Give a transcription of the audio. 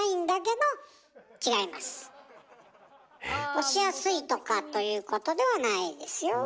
押しやすいとかということではないですよ。